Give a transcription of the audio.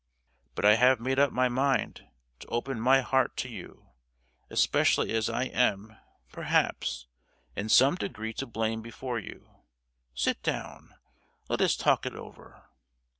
But I have made up my mind to open my heart to you, especially as I am, perhaps, in some degree to blame before you. Sit down; let us talk it over!"